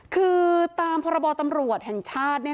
คือตามพรบตำรวจแห่งชาติ